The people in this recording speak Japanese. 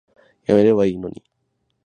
やめればいいのに